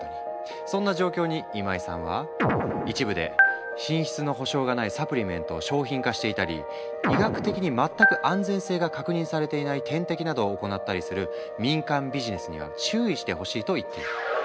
そんな状況に今井さんは一部で品質の保証がないサプリメントを商品化していたり医学的に全く安全性が確認されていない点滴などを行ったりする民間ビジネスには注意してほしいと言っている。